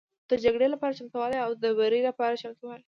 د جګړې لپاره چمتووالی او د بري لپاره چمتووالی